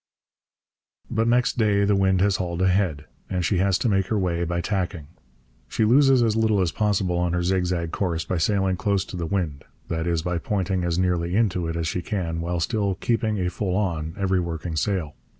But next day the wind has hauled ahead, and she has to make her way by tacking. She loses as little as possible on her zigzag course by sailing close to the wind, that is, by pointing as nearly into it as she can while still 'keeping a full on' every working sail.